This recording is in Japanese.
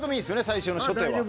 最初の初手は。